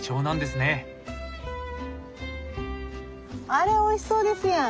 あれおいしそうですやん。